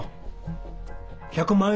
１００万円。